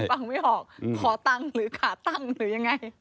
ฟังไม่ออกขอตังค์หรือขาตั้งหรือยังไง